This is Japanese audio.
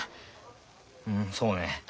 うんそうね。